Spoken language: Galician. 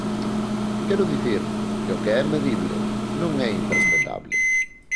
Quero dicir que o que é medible non é interpretable.